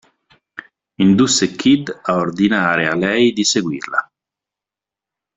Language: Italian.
Indusse Kid a ordinare a lei di seguirla.